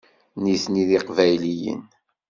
Nitni d Iqbayliyen.